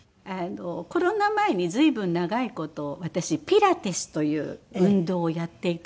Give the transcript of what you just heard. コロナ前に随分長い事私ピラティスという運動をやっていたんです。